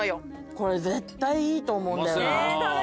これ絶対いいと思うんだよな。